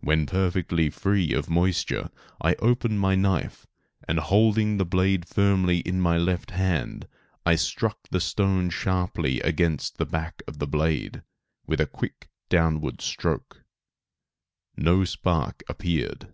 When perfectly free of moisture, I opened my knife, and holding the blade firmly in my left hand, I struck the stone sharply against the back of the blade, with a quick downward stroke. No spark appeared.